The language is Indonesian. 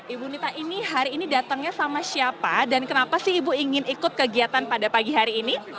ibu nita ini hari ini datangnya sama siapa dan kenapa sih ibu ingin ikut kegiatan pada pagi hari ini